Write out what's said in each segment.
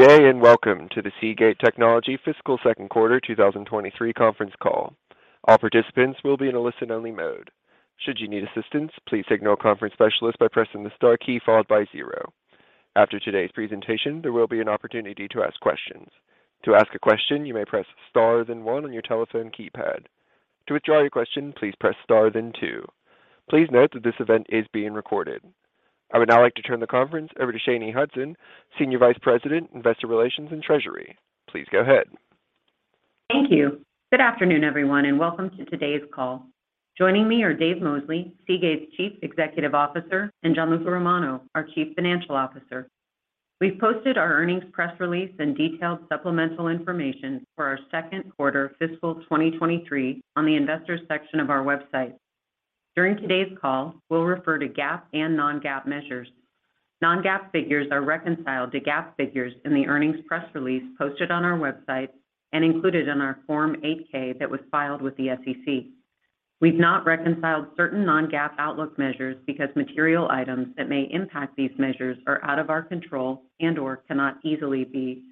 Good day. Welcome to the Seagate Technology fiscal second quarter 2023 conference call. All participants will be in a listen-only mode. Should you need assistance, please signal a conference specialist by pressing the star key followed by 0. After today's presentation, there will be an opportunity to ask questions. To ask a question, you may press star, then 1 on your telephone keypad. To withdraw your question, please press star, then 2. Please note that this event is being recorded. I would now like to turn the conference over to Shainey Hudson, Senior Vice President, Investor Relations and Treasury. Please go ahead. Thank you. Good afternoon, everyone, and welcome to today's call. Joining me are Dave Mosley, Seagate's Chief Executive Officer, and Gianluca Romano, our Chief Financial Officer. We've posted our earnings press release and detailed supplemental information for our second quarter fiscal 2023 on the Investors section of our website. During today's call, we'll refer to GAAP and non-GAAP measures. Non-GAAP figures are reconciled to GAAP figures in the earnings press release posted on our website and included in our Form 8-K that was filed with the SEC. We've not reconciled certain non-GAAP outlook measures because material items that may impact these measures are out of our control and/or cannot easily be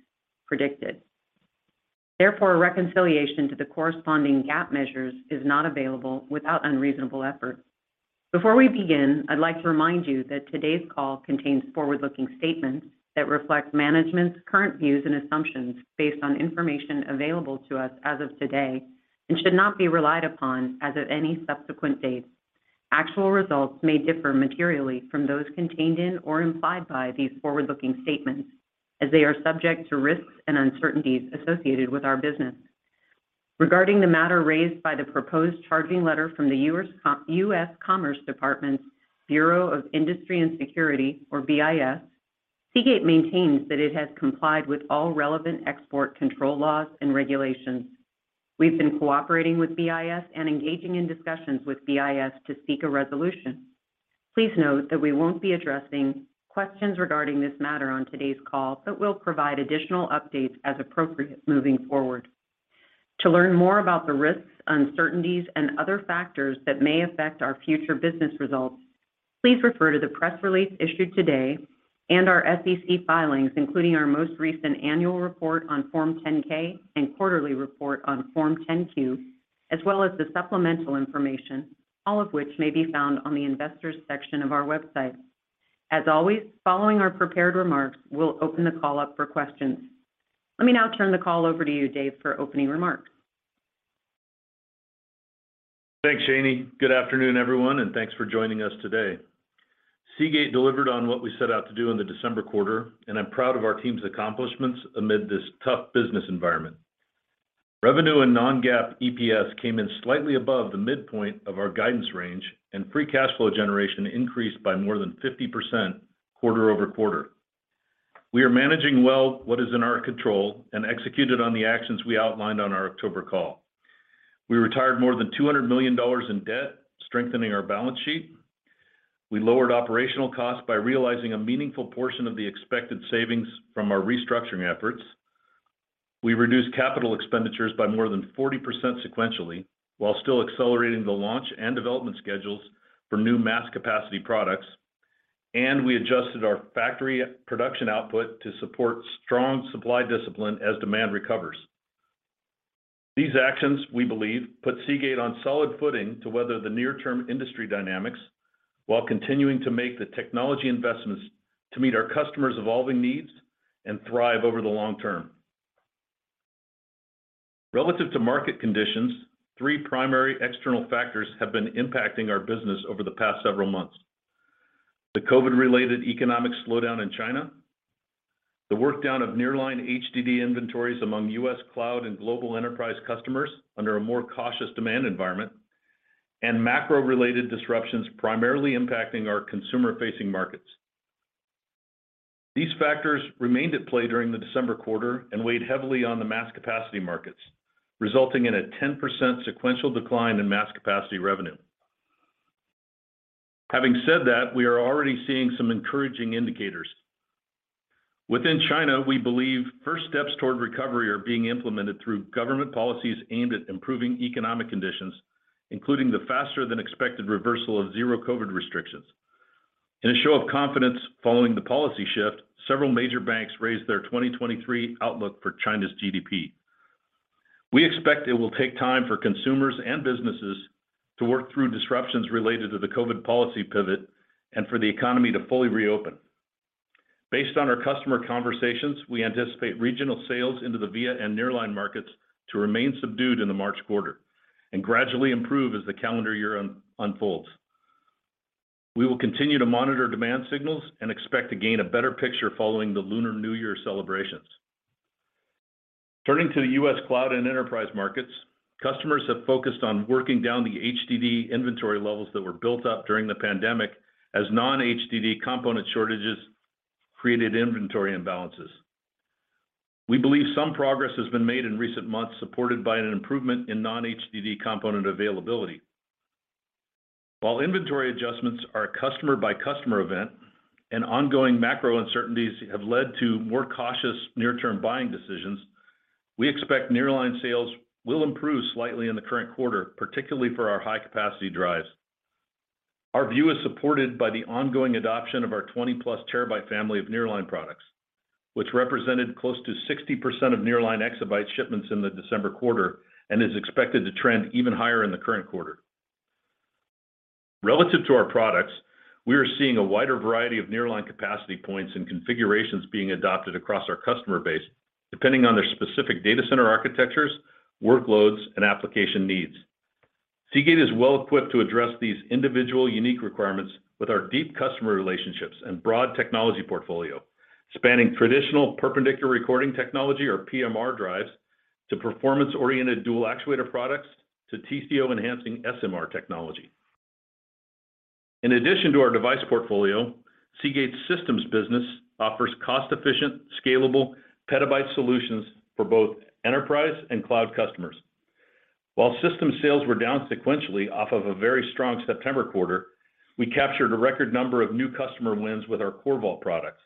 predicted. Therefore, a reconciliation to the corresponding GAAP measures is not available without unreasonable effort. Before we begin, I'd like to remind you that today's call contains forward-looking statements that reflect management's current views and assumptions based on information available to us as of today and should not be relied upon as of any subsequent date. Actual results may differ materially from those contained in or implied by these forward-looking statements as they are subject to risks and uncertainties associated with our business. Regarding the matter raised by the proposed charging letter from the U.S. Commerce Department's Bureau of Industry and Security, or BIS, Seagate maintains that it has complied with all relevant export control laws and regulations. We've been cooperating with BIS and engaging in discussions with BIS to seek a resolution. Please note that we won't be addressing questions regarding this matter on today's call, but we'll provide additional updates as appropriate moving forward. To learn more about the risks, uncertainties, and other factors that may affect our future business results, please refer to the press release issued today and our SEC filings, including our most recent annual report on Form 10-K and quarterly report on Form 10-Q, as well as the supplemental information, all of which may be found on the Investors section of our website. As always, following our prepared remarks, we'll open the call up for questions. Let me now turn the call over to you, Dave, for opening remarks. Thanks, Shainey. Good afternoon, everyone, and thanks for joining us today. Seagate delivered on what we set out to do in the December quarter, and I'm proud of our team's accomplishments amid this tough business environment. Revenue and non-GAAP EPS came in slightly above the midpoint of our guidance range, and free cash flow generation increased by more than 50% quarter-over-quarter. We are managing well what is in our control and executed on the actions we outlined on our October call. We retired more than $200 million in debt, strengthening our balance sheet. We lowered operational costs by realizing a meaningful portion of the expected savings from our restructuring efforts. We reduced CapEx by more than 40% sequentially, while still accelerating the launch and development schedules for new mass capacity products. We adjusted our factory production output to support strong supply discipline as demand recovers. These actions, we believe, put Seagate on solid footing to weather the near-term industry dynamics while continuing to make the technology investments to meet our customers' evolving needs and thrive over the long term. Relative to market conditions, 3 primary external factors have been impacting our business over the past several months. The COVID-related economic slowdown in China, the workdown of nearline HDD inventories among U.S. cloud and global enterprise customers under a more cautious demand environment, and macro-related disruptions primarily impacting our consumer-facing markets. These factors remained at play during the December quarter and weighed heavily on the mass capacity markets, resulting in a 10% sequential decline in mass capacity revenue. Having said that, we are already seeing some encouraging indicators. Within China, we believe first steps toward recovery are being implemented through government policies aimed at improving economic conditions, including the faster-than-expected reversal of zero COVID restrictions. In a show of confidence following the policy shift, several major banks raised their 2023 outlook for China's GDP. We expect it will take time for consumers and businesses to work through disruptions related to the COVID policy pivot and for the economy to fully reopen. Based on our customer conversations, we anticipate regional sales into the VIA and nearline markets to remain subdued in the March quarter and gradually improve as the calendar year unfolds. We will continue to monitor demand signals and expect to gain a better picture following the Lunar New Year celebrations. Turning to the U.S. cloud and enterprise markets, customers have focused on working down the HDD inventory levels that were built up during the pandemic as non-HDD component shortages created inventory imbalances. We believe some progress has been made in recent months, supported by an improvement in non-HDD component availability. While inventory adjustments are a customer-by-customer event and ongoing macro uncertainties have led to more cautious near-term buying decisions, we expect nearline sales will improve slightly in the current quarter, particularly for our high-capacity drives. Our view is supported by the ongoing adoption of our 20-plus terabyte family of nearline products, which represented close to 60% of nearline exabyte shipments in the December quarter and is expected to trend even higher in the current quarter. Relative to our products, we are seeing a wider variety of nearline capacity points and configurations being adopted across our customer base depending on their specific data center architectures, workloads, and application needs. Seagate is well-equipped to address these individual unique requirements with our deep customer relationships and broad technology portfolio, spanning traditional perpendicular recording technology or PMR drives to performance-oriented dual actuator products to TCO enhancing SMR technology. In addition to our device portfolio, Seagate's systems business offers cost-efficient, scalable petabyte solutions for both enterprise and cloud customers. While system sales were down sequentially off of a very strong September quarter, we captured a record number of new customer wins with our CORVAULT products.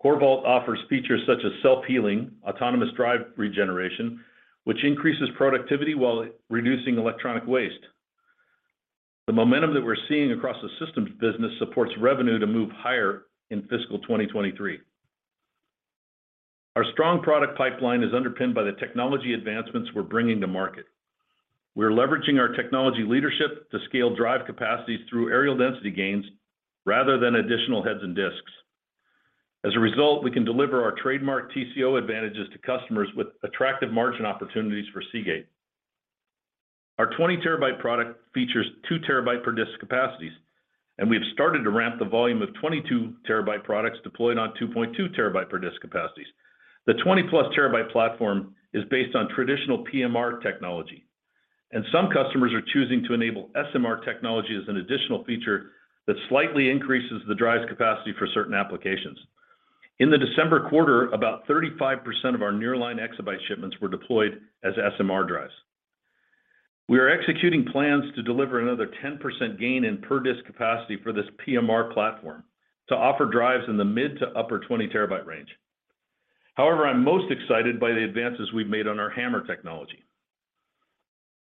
CORVAULT offers features such as self-healing, autonomous drive regeneration, which increases productivity while reducing electronic waste. The momentum that we're seeing across the systems business supports revenue to move higher in fiscal 2023. Our strong product pipeline is underpinned by the technology advancements we're bringing to market. We're leveraging our technology leadership to scale drive capacities through areal density gains rather than additional heads and disks. As a result, we can deliver our trademark TCO advantages to customers with attractive margin opportunities for Seagate. Our 20 TB product features 2 TB per disk capacities, and we have started to ramp the volume of 22 TB products deployed on 2.2 TB per disk capacities. The 20-plus TB platform is based on traditional PMR technology, and some customers are choosing to enable SMR technology as an additional feature that slightly increases the drive's capacity for certain applications. In the December quarter, about 35% of our nearline EB shipments were deployed as SMR drives. We are executing plans to deliver another 10% gain in per disk capacity for this PMR platform to offer drives in the mid to upper 20 TB range. However, I'm most excited by the advances we've made on our HAMR technology.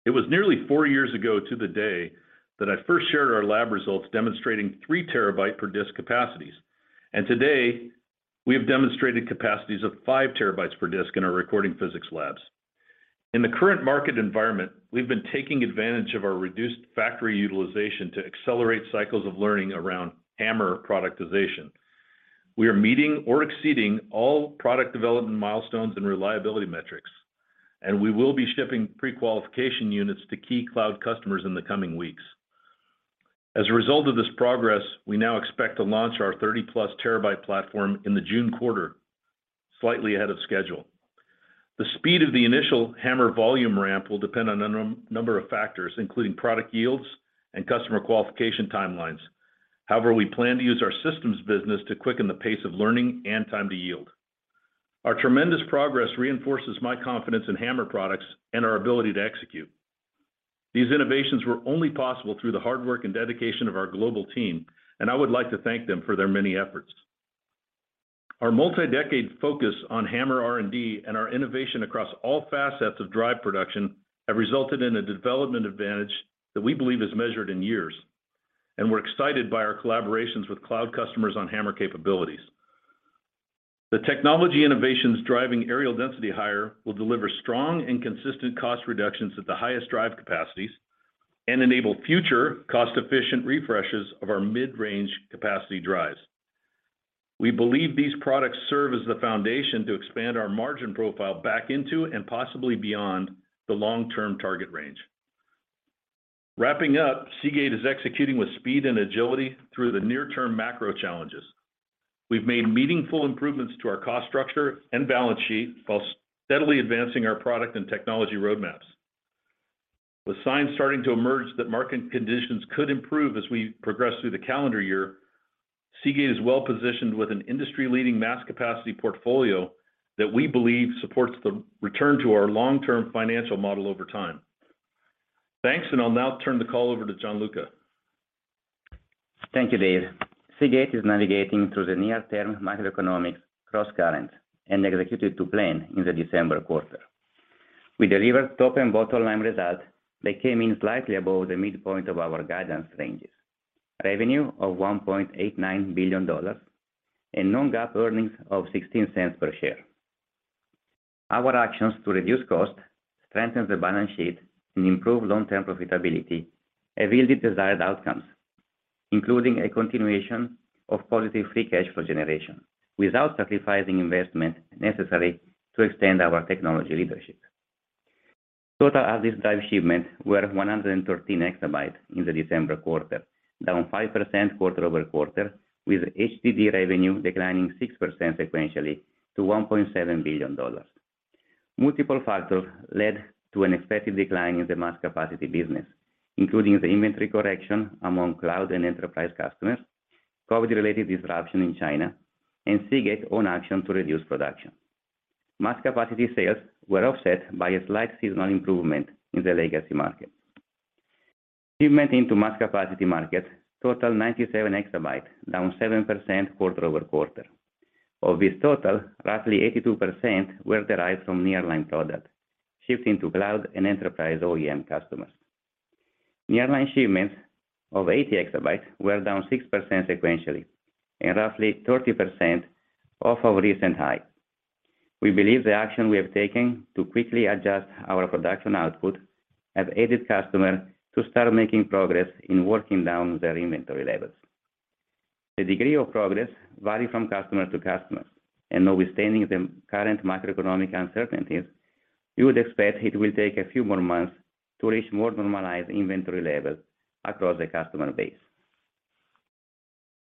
It was nearly 4 years ago to the day that I first shared our lab results demonstrating 3 TB per disk capacities, and today, we have demonstrated capacities of 5 TB per disk in our recording physics labs. In the current market environment, we've been taking advantage of our reduced factory utilization to accelerate cycles of learning around HAMR productization. We are meeting or exceeding all product development milestones and reliability metrics, and we will be shipping prequalification units to key cloud customers in the coming weeks. As a result of this progress, we now expect to launch our 30-plus terabyte platform in the June quarter, slightly ahead of schedule. The speed of the initial HAMR volume ramp will depend on a number of factors, including product yields and customer qualification timelines. We plan to use our systems business to quicken the pace of learning and time to yield. Our tremendous progress reinforces my confidence in HAMR products and our ability to execute. These innovations were only possible through the hard work and dedication of our global team, I would like to thank them for their many efforts. Our multi-decade focus on HAMR R&D and our innovation across all facets of drive production have resulted in a development advantage that we believe is measured in years, we're excited by our collaborations with cloud customers on HAMR capabilities. The technology innovations driving areal density higher will deliver strong and consistent cost reductions at the highest drive capacities and enable future cost-efficient refreshes of our mid-range capacity drives. We believe these products serve as the foundation to expand our margin profile back into and possibly beyond the long-term target range. Wrapping up, Seagate is executing with speed and agility through the near-term macro challenges. We've made meaningful improvements to our cost structure and balance sheet while steadily advancing our product and technology roadmaps. With signs starting to emerge that market conditions could improve as we progress through the calendar year, Seagate is well-positioned with an industry-leading mass capacity portfolio that we believe supports the return to our long-term financial model over time. Thanks, and I'll now turn the call over to Gianluca. Thank you, Dave. Seagate is navigating through the near-term macroeconomic cross-current and executed to plan in the December quarter. We delivered top and bottom line results that came in slightly above the midpoint of our guidance ranges. Revenue of $1.89 billion and non-GAAP earnings of $0.16 per share. Our actions to reduce cost, strengthen the balance sheet, and improve long-term profitability have yielded desired outcomes, including a continuation of positive free cash flow generation without sacrificing investment necessary to extend our technology leadership. Total address drive shipments were 113 exabytes in the December quarter, down 5% quarter-over-quarter, with HDD revenue declining 6% sequentially to $1.7 billion. Multiple factors led to an expected decline in the mass capacity business, including the inventory correction among cloud and enterprise customers, COVID-related disruption in China, and Seagate own action to reduce production. Mass capacity sales were offset by a slight seasonal improvement in the legacy market. Shipment into mass capacity markets totaled 97 exabytes, down 7% quarter-over-quarter. Of this total, roughly 82% were derived from nearline product, shifting to cloud and enterprise OEM customers. Nearline shipments of 80 exabytes were down 6% sequentially and roughly 30% off of recent high. We believe the action we have taken to quickly adjust our production output have aided customer to start making progress in working down their inventory levels. The degree of progress vary from customer to customers and notwithstanding the current macroeconomic uncertainties, you would expect it will take a few more months to reach more normalized inventory levels across the customer base.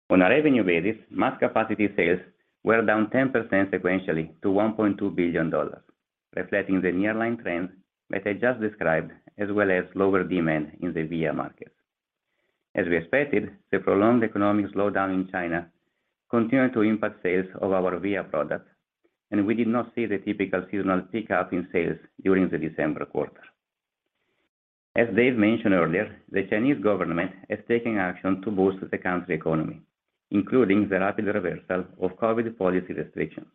On a revenue basis, mass capacity sales were down 10% sequentially to $1.2 billion, reflecting the nearline trend that I just described, as well as lower demand in the VIA market. As we expected, the prolonged economic slowdown in China continued to impact sales of our VIA product, and we did not see the typical seasonal pickup in sales during the December quarter. As Dave mentioned earlier, the Chinese government is taking action to boost the country economy, including the rapid reversal of COVID policy restrictions.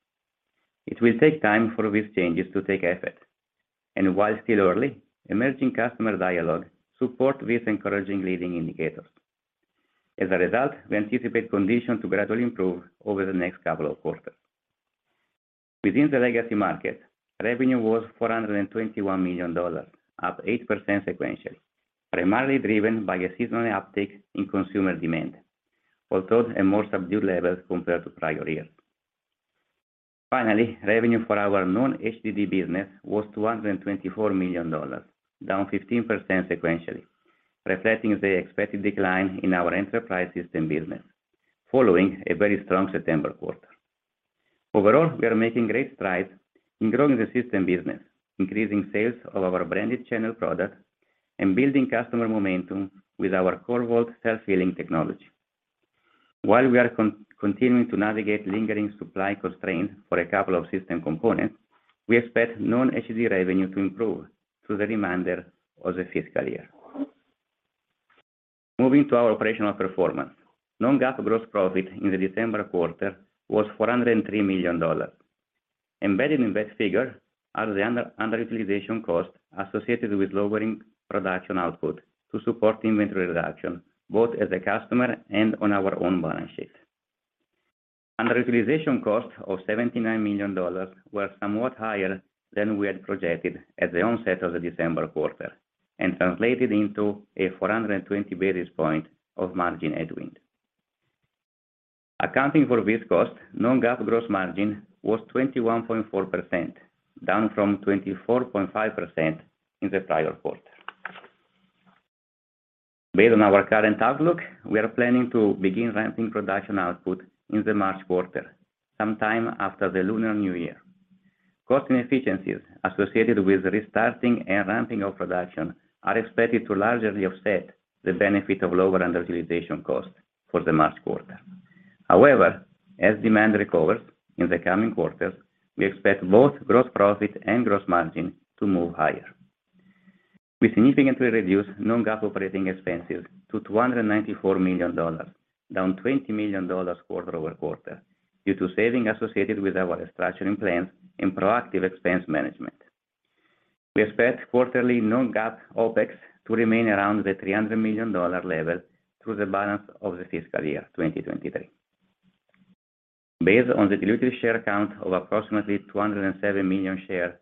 It will take time for these changes to take effect, and while still early, emerging customer dialogue support these encouraging leading indicators. As a result, we anticipate condition to gradually improve over the next couple of quarters. Within the legacy market, revenue was $421 million, up 8% sequentially, primarily driven by a seasonal uptick in consumer demand, although at more subdued levels compared to prior years. Revenue for our non-HDD business was $224 million, down 15% sequentially, reflecting the expected decline in our enterprise system business following a very strong September quarter. We are making great strides in growing the system business, increasing sales of our branded channel product, and building customer momentum with our CORVAULT self-healing technology. While we are continuing to navigate lingering supply constraints for a couple of system components, we expect non-HDD revenue to improve through the remainder of the fiscal year. Moving to our operational performance. Non-GAAP gross profit in the December quarter was $403 million. Embedded in that figure are the underutilization costs associated with lowering production output to support inventory reduction, both as a customer and on our own balance sheet. Underutilization costs of $79 million were somewhat higher than we had projected at the onset of the December quarter and translated into a 420 basis point of margin headwind. Accounting for this cost, non-GAAP gross margin was 21.4%, down from 24.5% in the prior quarter. Based on our current outlook, we are planning to begin ramping production output in the March quarter, sometime after the Lunar New Year. Cost inefficiencies associated with restarting and ramping of production are expected to largely offset the benefit of lower underutilization costs for the March quarter. As demand recovers in the coming quarters, we expect both gross profit and gross margin to move higher. We significantly reduced non-GAAP operating expenses to $294 million, down $20 million quarter-over-quarter due to savings associated with our restructuring plans and proactive expense management. We expect quarterly non-GAAP OpEx to remain around the $300 million level through the balance of the fiscal year 2023. Based on the diluted share count of approximately 207 million shares,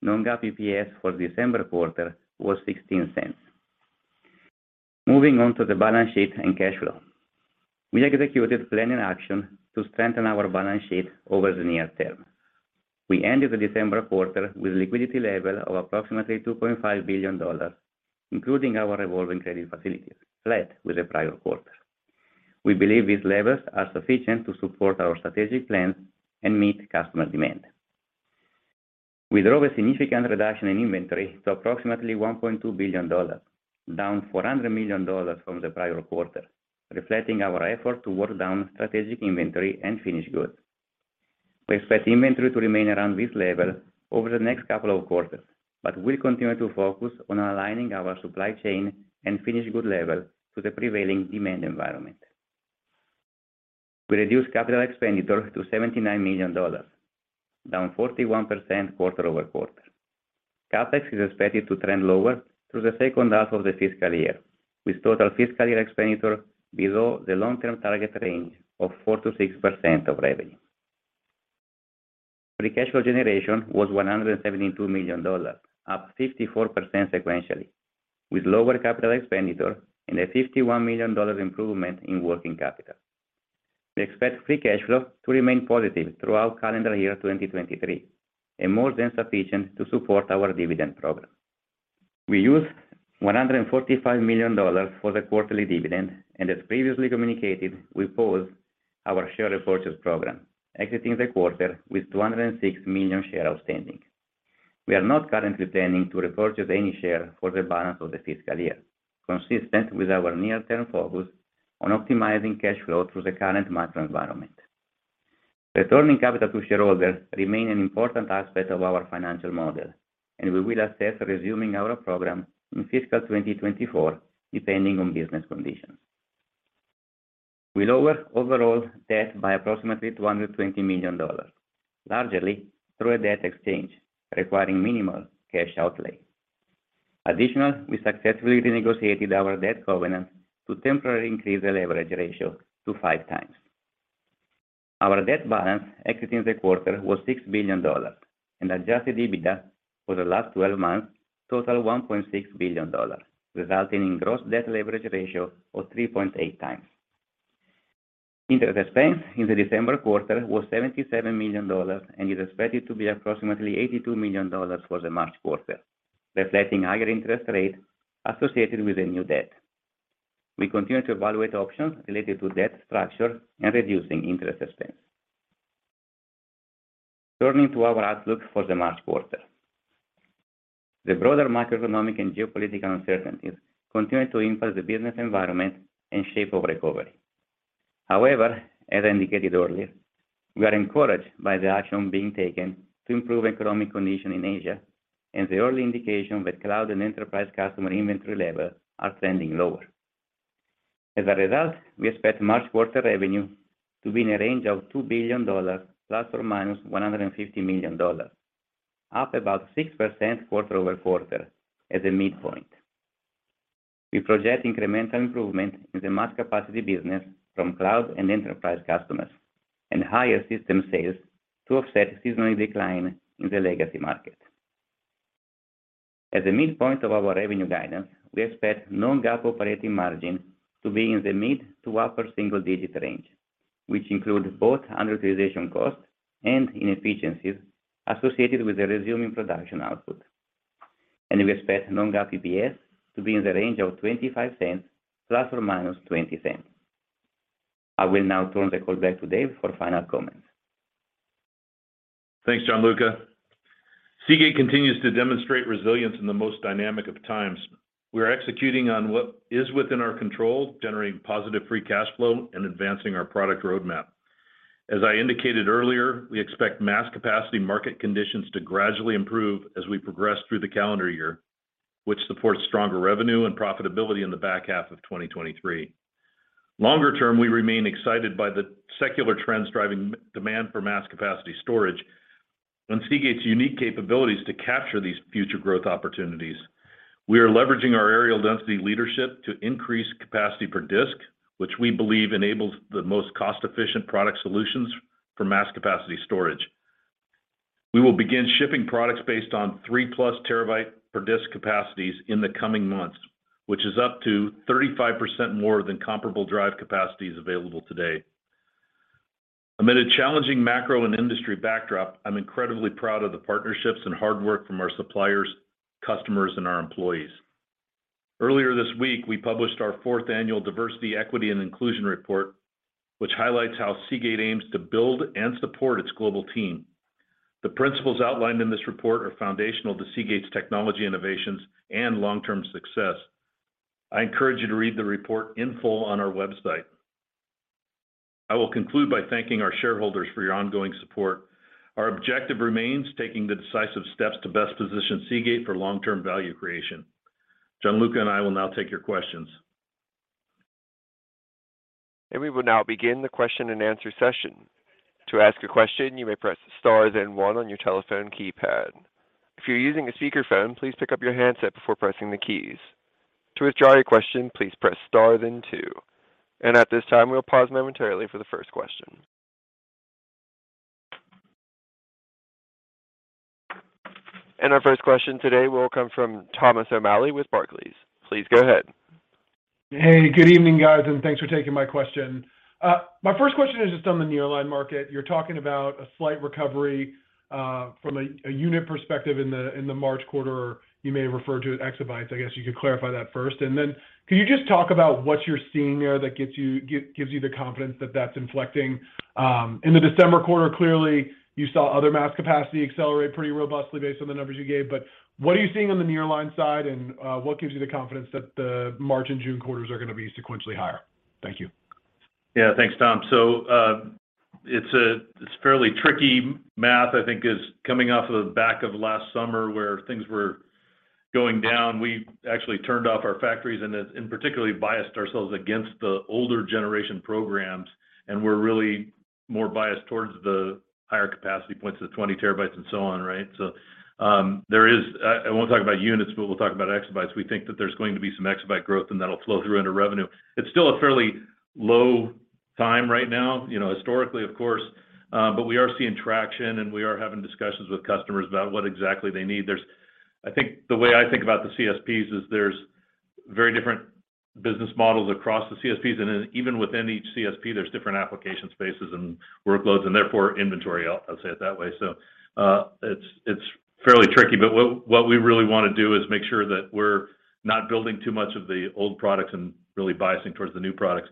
non-GAAP EPS for the December quarter was $0.16. Moving on to the balance sheet and cash flow. We executed planning action to strengthen our balance sheet over the near term. We ended the December quarter with liquidity level of approximately $2.5 billion, including our revolving credit facilities flat with the prior quarter. We believe these levels are sufficient to support our strategic plans and meet customer demand. We drove a significant reduction in inventory to approximately $1.2 billion, down $400 million from the prior quarter, reflecting our effort to work down strategic inventory and finished goods. We expect inventory to remain around this level over the next couple of quarters, but we'll continue to focus on aligning our supply chain and finished good level to the prevailing demand environment. We reduced capital expenditure to $79 million, down 41% quarter-over-quarter. CapEx is expected to trend lower through the second half of the fiscal year, with total fiscal year expenditure below the long-term target range of 4%-6% of revenue. Free cash flow generation was $172 million, up 54% sequentially, with lower capital expenditure and a $51 million improvement in working capital. We expect free cash flow to remain positive throughout calendar year 2023, and more than sufficient to support our dividend program. We used $145 million for the quarterly dividend, and as previously communicated, we paused our share repurchase program, exiting the quarter with 206 million share outstanding. We are not currently planning to repurchase any share for the balance of the fiscal year, consistent with our near-term focus on optimizing cash flow through the current macro environment. Returning capital to shareholders remain an important aspect of our financial model, and we will assess resuming our program in fiscal 2024, depending on business conditions. We lowered overall debt by approximately $120 million, largely through a debt exchange requiring minimal cash outlay. Additional, we successfully renegotiated our debt covenant to temporarily increase the leverage ratio to 5 times. Our debt balance exiting the quarter was $6 billion, and adjusted EBITDA for the last 12 months totaled $1.6 billion, resulting in gross debt leverage ratio of 3.8 times. Interest expense in the December quarter was $77 million and is expected to be approximately $82 million for the March quarter, reflecting higher interest rate associated with the new debt. We continue to evaluate options related to debt structure and reducing interest expense. Turning to our outlook for the March quarter. The broader macroeconomic and geopolitical uncertainties continue to impact the business environment and shape of recovery. As indicated earlier, we are encouraged by the action being taken to improve economic condition in Asia and the early indication that cloud and enterprise customer inventory levels are trending lower. We expect March quarter revenue to be in a range of $2 billion ± $150 million, up about 6% quarter-over-quarter at the midpoint. We project incremental improvement in the mass capacity business from cloud and enterprise customers and higher system sales to offset seasonal decline in the legacy market. At the midpoint of our revenue guidance, we expect non-GAAP operating margin to be in the mid to upper single digit range, which include both underutilization costs and inefficiencies associated with the resuming production output. We expect non-GAAP EPS to be in the range of $0.25 ± $0.20. I will now turn the call back to Dave for final comments. Thanks, Gianluca. Seagate continues to demonstrate resilience in the most dynamic of times. We are executing on what is within our control, generating positive free cash flow and advancing our product roadmap. As I indicated earlier, we expect mass capacity market conditions to gradually improve as we progress through the calendar year, which supports stronger revenue and profitability in the back half of 2023. Longer term, we remain excited by the secular trends driving demand for mass capacity storage and Seagate's unique capabilities to capture these future growth opportunities. We are leveraging our areal density leadership to increase capacity per disk, which we believe enables the most cost-efficient product solutions for mass capacity storage. We will begin shipping products based on 3-plus terabyte per disk capacities in the coming months, which is up to 35% more than comparable drive capacities available today. Amid a challenging macro and industry backdrop, I'm incredibly proud of the partnerships and hard work from our suppliers, customers, and our employees. Earlier this week, we published our fourth annual Diversity, Equity and Inclusion Report, which highlights how Seagate aims to build and support its global team. The principles outlined in this report are foundational to Seagate's technology innovations and long-term success. I encourage you to read the report in full on our website. I will conclude by thanking our shareholders for your ongoing support. Our objective remains taking the decisive steps to best position Seagate for long-term value creation. Gianluca and I will now take your questions. We will now begin the question and answer session. To ask a question, you may press star then one on your telephone keypad. If you're using a speakerphone, please pick up your handset before pressing the keys. To withdraw your question, please press star then two. At this time, we'll pause momentarily for the first question. Our first question today will come from Thomas O'Malley with Barclays. Please go ahead. Hey, good evening, guys, and thanks for taking my question. My first question is just on the nearline market. You're talking about a slight recovery, from a unit perspective in the March quarter. You may have referred to it exabytes. I guess you could clarify that first. Then could you just talk about what you're seeing there that gives you the confidence that that's inflecting? In the December quarter, clearly you saw other mass capacity accelerate pretty robustly based on the numbers you gave. What are you seeing on the nearline side, and what gives you the confidence that the March and June quarters are gonna be sequentially higher? Thank you. Thanks, Tom. It's fairly tricky math, I think is coming off of the back of last summer where things were going down. We actually turned off our factories and particularly biased ourselves against the older generation programs, and we're really more biased towards the higher capacity points of 20 terabytes and so on, right? I won't talk about units, but we'll talk about exabytes. We think that there's going to be some exabyte growth, and that'll flow through into revenue. It's still a fairly low time right now, you know, historically, of course. We are seeing traction, and we are having discussions with customers about what exactly they need. I think the way I think about the CSPs is there's very different business models across the CSPs, and then even within each CSP, there's different application spaces and workloads and therefore inventory. I'll say it that way. It's fairly tricky, but what we really wanna do is make sure that we're not building too much of the old products and really biasing towards the new products.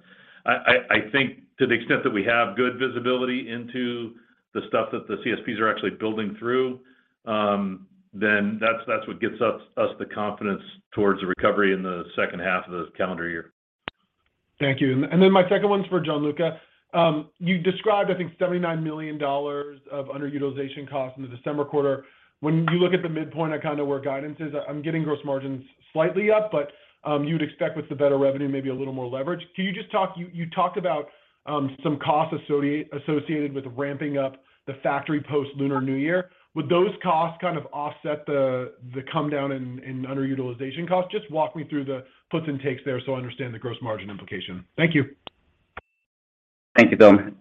I think to the extent that we have good visibility into the stuff that the CSPs are actually building through, then that's what gives us the confidence towards a recovery in the second half of the calendar year. Thank you. My second one's for Gianluca. You described I think $79 million of underutilization costs in the December quarter. When you look at the midpoint, I kind of where guidance is, I'm getting gross margins slightly up, but you'd expect with the better revenue, maybe a little more leverage. You talked about some costs associated with ramping up the factory post-Lunar New Year. Would those costs kind of offset the come down in underutilization costs? Just walk me through the puts and takes there so I understand the gross margin implication. Thank you. Thank you, Tom.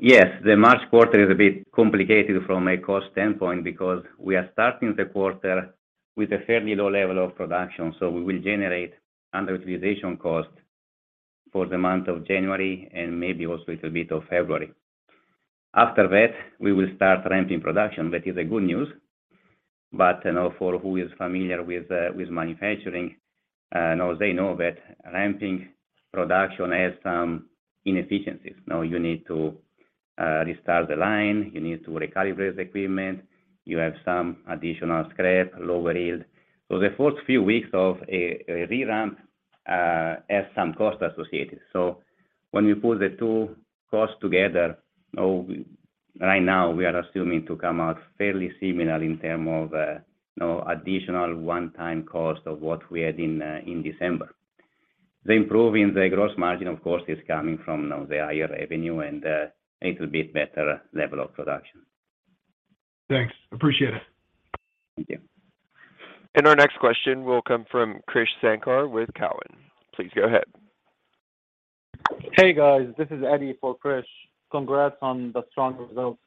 Yes, the March quarter is a bit complicated from a cost standpoint because we are starting the quarter with a fairly low level of production. We will generate underutilization costs for the month of January and maybe also it'll be till February. After that, we will start ramping production, that is a good news. You know, for who is familiar with manufacturing, they know that ramping production has some inefficiencies. You know, you need to restart the line, you need to recalibrate the equipment, you have some additional scrap, lower yield. The first few weeks of a re-ramp has some cost associated. When you put the two costs together, you know, right now we are assuming to come out fairly similar in term of, you know, additional one-time cost of what we had in December. The improving the gross margin, of course, is coming from, you know, the higher revenue and a little bit better level of production. Thanks. Appreciate it. Thank you. Our next question will come from Krish Sankar with Cowen. Please go ahead. Hey, guys. This is Eddie for Krish. Congrats on the strong results.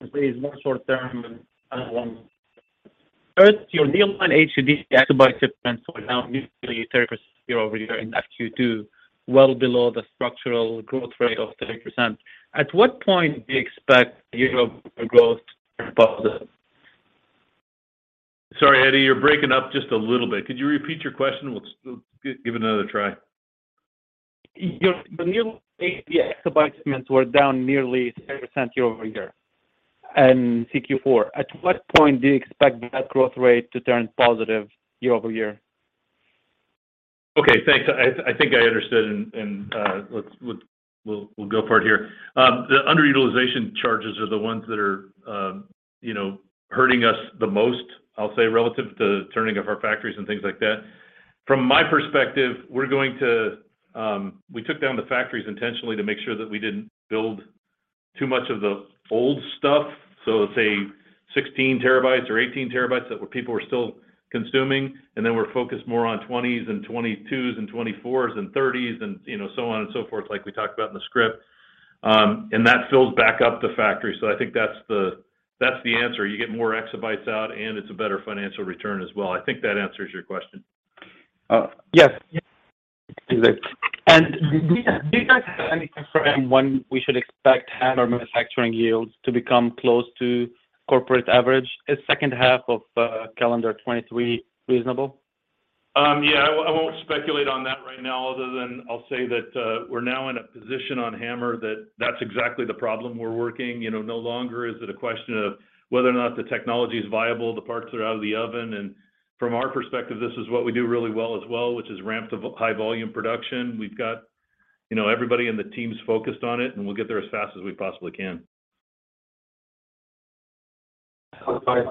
This is more short term and long. First, your deal on HDD exabytes were down nearly 30% year-over-year in Q2, well below the structural growth rate of 30%. At what point do you expect year-over-year growth to be positive? Sorry, Eddie, you're breaking up just a little bit. Could you repeat your question? We'll give it another try. Your new AP exabytes were down nearly 30% year-over-year in CQ4. At what point do you expect that growth rate to turn positive year-over-year? Okay. Thanks. I think I understood and we'll go for it here. The underutilization charges are the ones that are, you know, hurting us the most, I'll say, relative to turning of our factories and things like that. From my perspective, we took down the factories intentionally to make sure that we didn't build too much of the old stuff. Let's say 16 terabytes or 18 terabytes that people were still consuming, and then we're focused more on 20s and 22s and 24s and 30s and, you know, so on and so forth, like we talked about in the script. That fills back up the factory. I think that's the answer. You get more exabytes out and it's a better financial return as well. I think that answers your question. Yes. Yes. It does. Do you guys have any timeframe when we should expect HAMR manufacturing yields to become close to corporate average? Is second half of calendar 2023 reasonable? Yeah. I won't speculate on that right now other than I'll say that we're now in a position on HAMR that that's exactly the problem we're working. You know, no longer is it a question of whether or not the technology is viable, the parts are out of the oven. From our perspective, this is what we do really well as well, which is ramp to high volume production. We've got, you know, everybody in the team is focused on it, and we'll get there as fast as we possibly can. All right.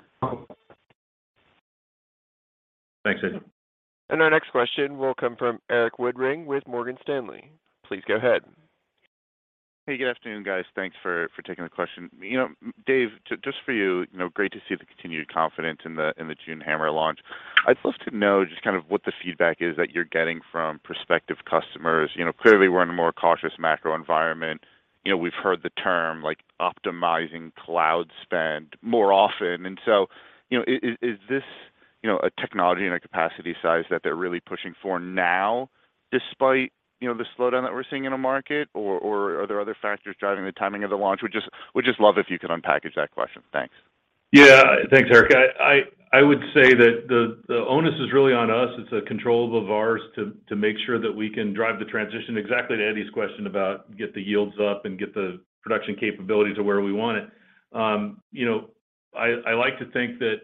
Thanks, Eddie. Our next question will come from Erik Woodring with Morgan Stanley. Please go ahead. Hey, good afternoon, guys. Thanks for taking the question. You know, Dave, just for you know, great to see the continued confidence in the June HAMR launch. I'd love to know just kind of what the feedback is that you're getting from prospective customers. You know, clearly, we're in a more cautious macro environment. You know, we've heard the term, like, optimizing cloud spend more often. Is this, you know, a technology and a capacity size that they're really pushing for now despite, you know, the slowdown that we're seeing in the market, or are there other factors driving the timing of the launch? Would just love if you could unpack that question. Thanks. Thanks, Erik. I would say that the onus is really on us. It's a controllable of ours to make sure that we can drive the transition exactly to Eddie's question about get the yields up and get the production capability to where we want it. you know, I like to think that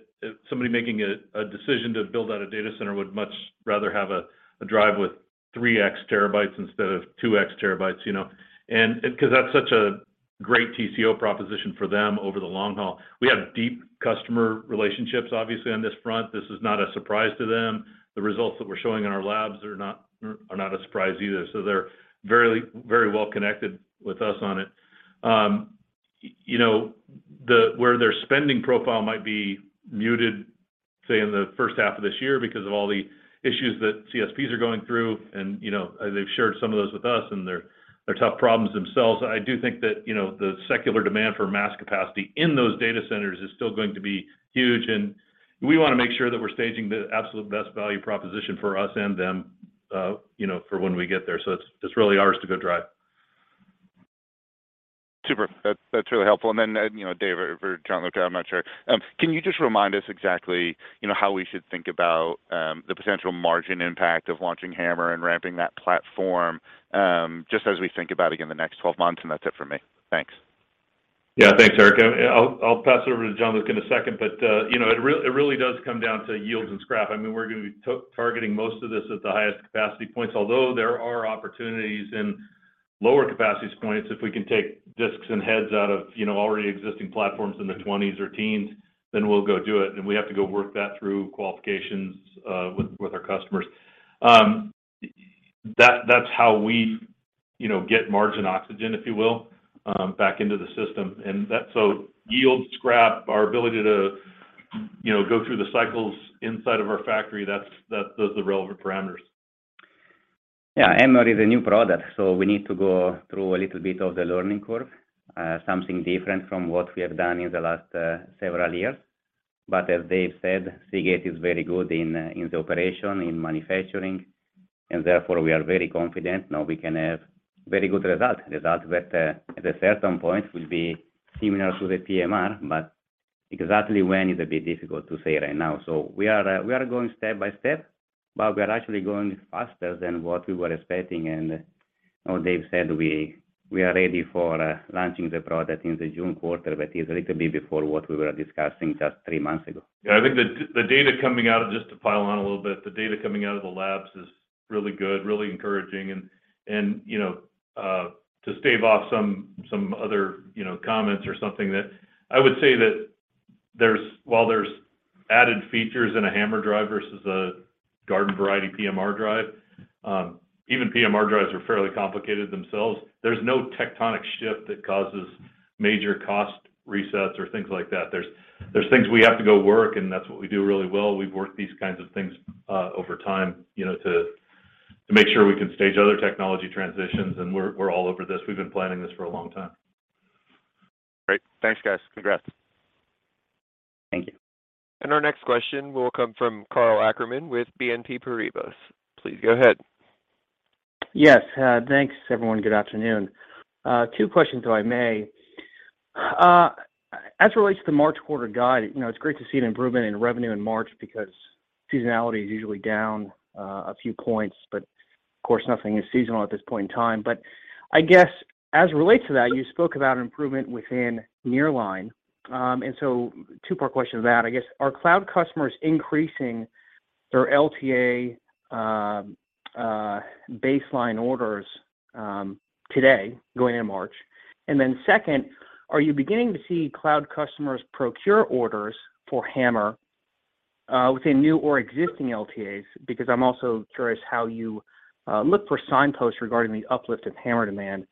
somebody making a decision to build out a data center would much rather have a drive with 3x terabytes instead of 2x terabytes, you know. 'cause that's such a great TCO proposition for them over the long haul. We have deep customer relationships, obviously, on this front. This is not a surprise to them. The results that we're showing in our labs are not a surprise either. They're very, very well connected with us on it. you know, where their spending profile might be muted, say in the first half of this year because of all the issues that CSPs are going through, and, you know, they've shared some of those with us, and they're tough problems themselves. I do think that, you know, the secular demand for mass capacity in those data centers is still going to be huge, and we want to make sure that we're staging the absolute best value proposition for us and them, you know, for when we get there. It's, it's really ours to go drive. Super. That's really helpful. You know, Dave, for Gianluca, I'm not sure. Can you just remind us exactly, you know, how we should think about the potential margin impact of launching HAMR and ramping that platform, just as we think about, again, the next 12 months? That's it for me. Thanks. Yeah. Thanks, Erik. I'll pass it over to Gianluca in a second. you know, it really does come down to yields and scrap. I mean, we're gonna be targeting most of this at the highest capacity points, although there are opportunities in lower capacity points if we can take disks and heads out of, you know, already existing platforms in the 20s or teens, we'll go do it, and we have to go work that through qualifications with our customers. That's how we, you know, get margin oxygen, if you will, back into the system. That's yield, scrap, our ability to, you know, go through the cycles inside of our factory, that's the relevant parameters. HAMR is a new product, we need to go through a little bit of the learning curve, something different from what we have done in the last several years. As Dave said, Seagate is very good in the operation, in manufacturing, and therefore we are very confident now we can have very good result that at a certain point will be similar to the PMR, but exactly when is a bit difficult to say right now. We are going step by step, but we are actually going faster than what we were expecting. As Dave said, we are ready for launching the product in the June quarter, but is a little bit before what we were discussing just 3 months ago. Yeah. I think the data coming out, just to pile on a little bit, the data coming out of the labs is really good, really encouraging and, you know, to stave off some other, you know, comments or something that I would say that while there's added features in a HAMR drive versus a garden variety PMR drive, even PMR drives are fairly complicated themselves. There's no tectonic shift that causes major cost resets or things like that. There's things we have to go work, and that's what we do really well. We've worked these kinds of things over time, you know, to make sure we can stage other technology transitions, and we're all over this. We've been planning this for a long time. Great. Thanks, guys. Congrats. Thank you. Our next question will come from Karl Ackerman with BNP Paribas. Please go ahead. Yes. Thanks everyone. Good afternoon. Two questions, if I may. As it relates to the March quarter guide, you know, it's great to see an improvement in revenue in March because seasonality is usually down a few points, but of course, nothing is seasonal at this point in time. I guess as it relates to that, you spoke about improvement within Nearline. Two-part question to that. I guess are cloud customers increasing their LTA baseline orders today going into March? Second, are you beginning to see cloud customers procure orders for HAMR within new or existing LTAs? Because I'm also curious how you look for signposts regarding the uplift of HAMR demand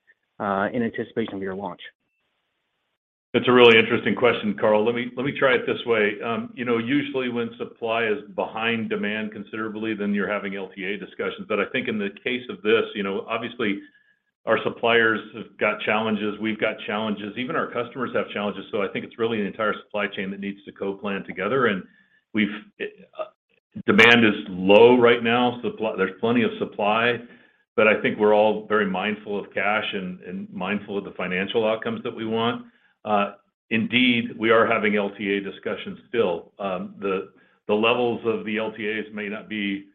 in anticipation of your launch. That's a really interesting question, Karl. Let me try it this way. You know, usually when supply is behind demand considerably, then you're having LTA discussions. I think in the case of this, you know, obviously our suppliers have got challenges, we've got challenges, even our customers have challenges. I think it's really an entire supply chain that needs to co-plan together. Demand is low right now, so there's plenty of supply, but I think we're all very mindful of cash and mindful of the financial outcomes that we want. Indeed, we are having LTA discussions still. The levels of the LTAs may not be,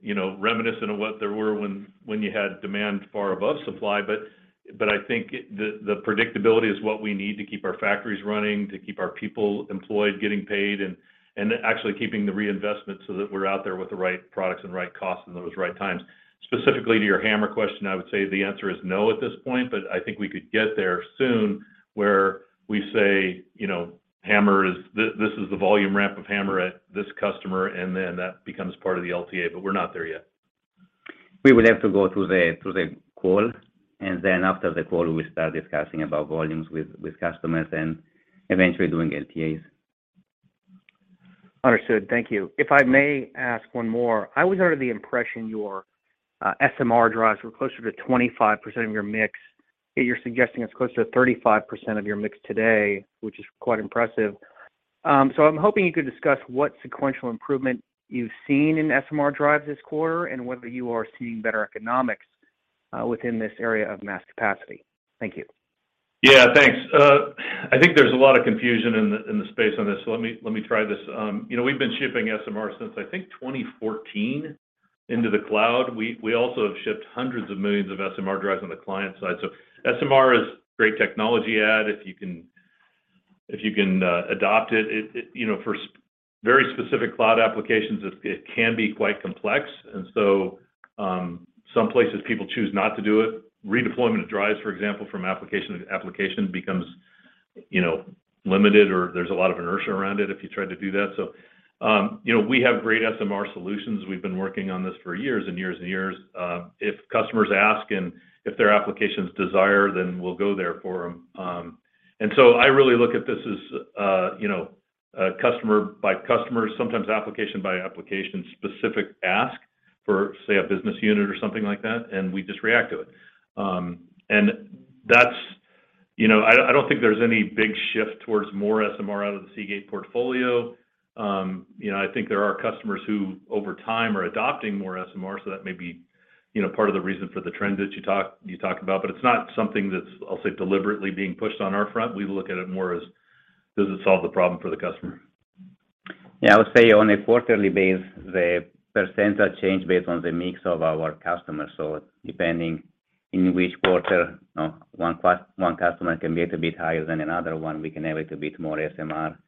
you know, reminiscent of what there were when you had demand far above supply, but I think the predictability is what we need to keep our factories running, to keep our people employed, getting paid, and actually keeping the reinvestment so that we're out there with the right products and right costs and those right times. Specifically to your HAMR question, I would say the answer is no at this point, but I think we could get there soon where we say, you know, HAMR is this is the volume ramp of HAMR at this customer, and then that becomes part of the LTA, but we're not there yet. We will have to go through the call, and then after the call we start discussing about volumes with customers and eventually doing LTAs. Understood. Thank you. If I may ask one more. I was under the impression your SMR drives were closer to 25% of your mix, yet you're suggesting it's closer to 35% of your mix today, which is quite impressive. I'm hoping you could discuss what sequential improvement you've seen in SMR drives this quarter, and whether you are seeing better economics within this area of mass capacity. Thank you. Yeah, thanks. I think there's a lot of confusion in the space on this, let me try this. You know, we've been shipping SMR since I think 2014 into the cloud. We also have shipped hundreds of millions of SMR drives on the client side. SMR is great technology add if you can adopt it. It, you know, for very specific cloud applications, it can be quite complex. Some places people choose not to do it. Redeployment of drives, for example, from application to application becomes, you know, limited or there's a lot of inertia around it if you tried to do that. You know, we have great SMR solutions. We've been working on this for years and years and years. If customers ask and if their applications desire, then we'll go there for them. I really look at this as, you know, customer by customer, sometimes application by application specific ask for, say, a business unit or something like that, and we just react to it. That's, you know, I don't think there's any big shift towards more SMR out of the Seagate portfolio. You know, I think there are customers who over time are adopting more SMR, so that may be, you know, part of the reason for the trend that you talked about, but it's not something that's, I'll say, deliberately being pushed on our front. We look at it more as does it solve the problem for the customer? I would say on a quarterly basis, the percentage change based on the mix of our customers. Depending in which quarter, you know, one customer can be a bit higher than another one, we can have a little bit more SMR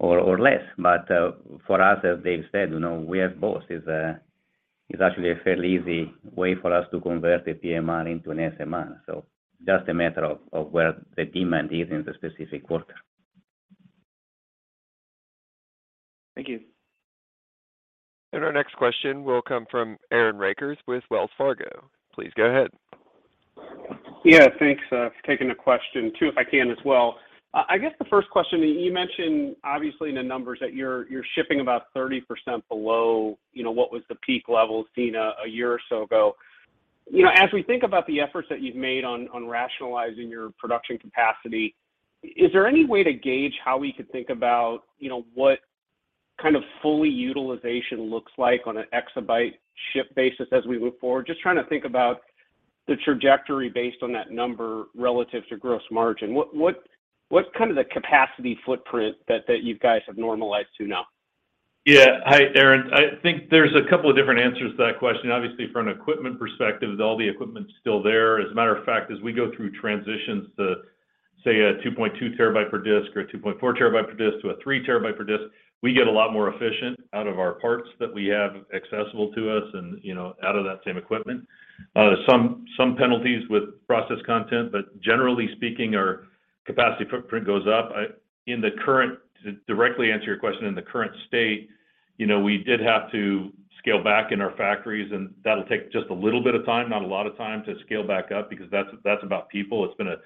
or less. For us, as Dave said, you know, we are both. It's actually a fairly easy way for us to convert a PMR into an SMR. Just a matter of where the demand is in the specific quarter. Thank you. Our next question will come from Aaron Rakers with Wells Fargo. Please go ahead. Yeah, thanks for taking the question. Two, if I can as well. I guess the first question, you mentioned obviously in the numbers that you're shipping about 30% below, you know, what was the peak levels seen a year or so ago. You know, as we think about the efforts that you've made on rationalizing your production capacity, is there any way to gauge how we could think about, you know, what kind of fully utilization looks like on an exabyte ship basis as we move forward? Just trying to think about the trajectory based on that number relative to gross margin. What's kind of the capacity footprint that you guys have normalized to now? Hi, Aaron. I think there's a couple of different answers to that question. Obviously, from an equipment perspective, all the equipment's still there. As a matter of fact, as we go through transitions to, say, a 2.2 TB per disk or a 2.4 TB per disk to a 3 TB per disk, we get a lot more efficient out of our parts that we have accessible to us and, you know, out of that same equipment. Some penalties with process content, but generally speaking, our capacity footprint goes up. In the current state, you know, we did have to scale back in our factories, and that'll take just a little bit of time, not a lot of time to scale back up because that's about people. It's been a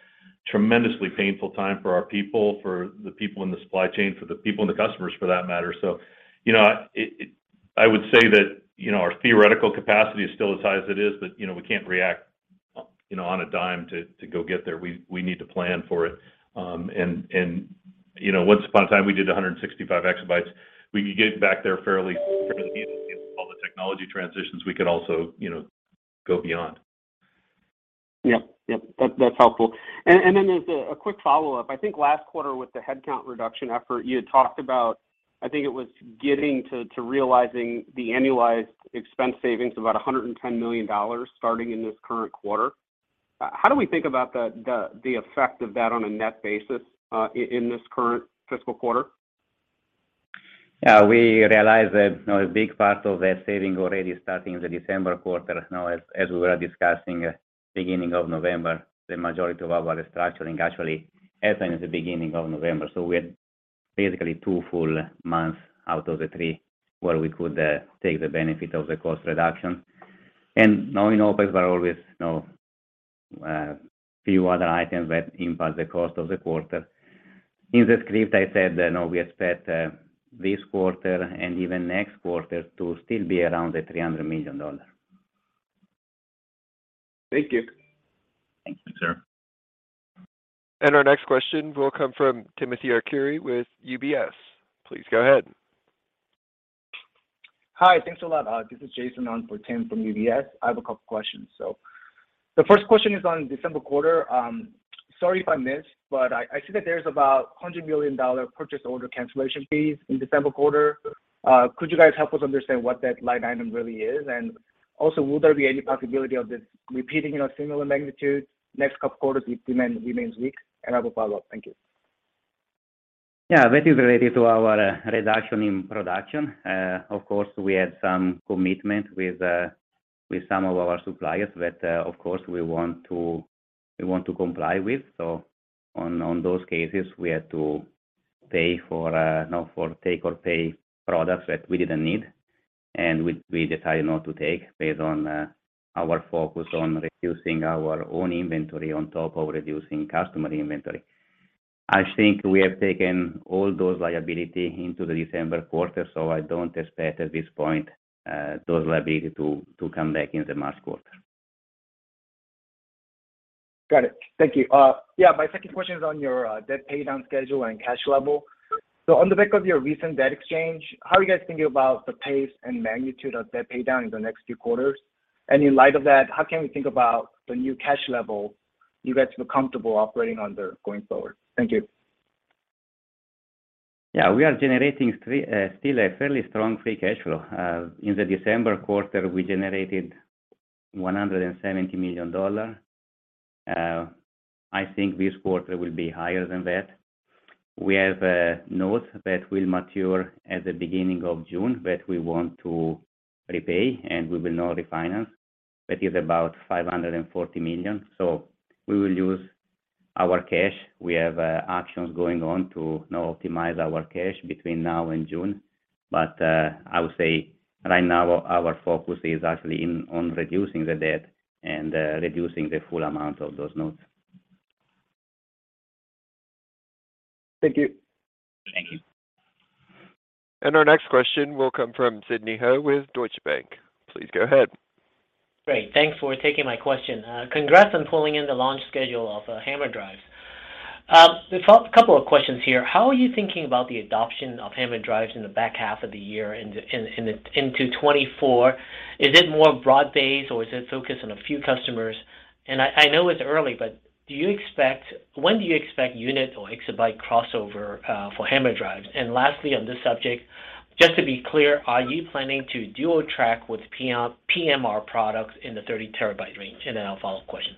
tremendously painful time for our people, for the people in the supply chain, for the people and the customers for that matter. You know, I would say that, you know, our theoretical capacity is still the size it is, but, you know, we can't react, you know, on a dime to go get there. We need to plan for it. You know, once upon a time, we did 165 exabytes. We could get back there fairly easily with all the technology transitions. We could also, you know, go beyond. Yep. Yep. That's helpful. Then as a quick follow-up, I think last quarter with the headcount reduction effort, you had talked about, I think it was getting to realizing the annualized expense savings about $110 million starting in this current quarter. How do we think about the effect of that on a net basis in this current fiscal quarter? Yeah, we realized that, you know, a big part of that saving already starting in the December quarter. You know, as we were discussing beginning of November, the majority of our restructuring actually happened at the beginning of November. We had basically two full months out of the three where we could take the benefit of the cost reduction. Now in OpEx, there are always, you know, a few other items that impact the cost of the quarter. In the script, I said that, you know, we expect this quarter and even next quarter to still be around the $300 million. Thank you. Thank you, sir. Our next question will come from Timothy Arcuri with UBS. Please go ahead. Hi. Thanks a lot. This is Jason on for Tim from UBS. I have a couple questions. The first question is on December quarter. Sorry if I missed, but I see that there's about $100 million purchase order cancellation fees in December quarter. Could you guys help us understand what that line item really is? Also, will there be any possibility of this repeating in a similar magnitude next couple quarters if demand remains weak? I will follow up. Thank you. Yeah. That is related to our reduction in production. Of course, we had some commitment with some of our suppliers that, of course, we want to, we want to comply with. On those cases, we had to pay for, you know, for take or pay products that we didn't need, and we decided not to take based on our focus on reducing our own inventory on top of reducing customer inventory. I think we have taken all those liability into the December quarter, so I don't expect at this point, those liability to come back in the March quarter. Got it. Thank you. Yeah, my second question is on your, debt pay down schedule and cash level. On the back of your recent debt exchange, how are you guys thinking about the pace and magnitude of debt pay down in the next few quarters? In light of that, how can we think about the new cash level you guys feel comfortable operating under going forward? Thank you. Yeah. We are generating still a fairly strong free cash flow. In the December quarter, we generated $170 million. I think this quarter will be higher than that. We have a note that will mature at the beginning of June that we want to repay, and we will not refinance. That is about $540 million. We will use our cash. We have actions going on to now optimize our cash between now and June. I would say right now our focus is actually in on reducing the debt and reducing the full amount of those notes. Thank you. Thank you. Our next question will come from Sidney Ho with Deutsche Bank. Please go ahead. Great. Thanks for taking my question. Congrats on pulling in the launch schedule of HAMR drives. A couple of questions here. How are you thinking about the adoption of HAMR drives in the back half of the year and into 2024? Is it more broad-based or is it focused on a few customers? I know it's early, but when do you expect unit or exabyte crossover for HAMR drives? Lastly on this subject. Just to be clear, are you planning to dual track with PMR products in the 30 terabyte range? Then I'll follow with questions.